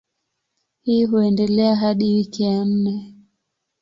Hii huendelea hadi wiki ya nne.